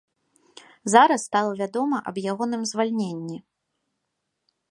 Зараз стала вядома аб ягоным звальненні.